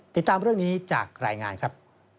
ติดตามเรื่องนี้จากรายงานครับ